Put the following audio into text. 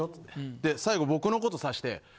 で最後僕のこと指して。